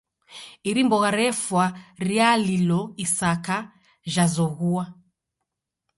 iri mbogha refwa rialilo isaka jazoghua.